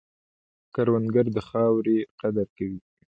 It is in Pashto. کروندګر د خاورې قدر کوي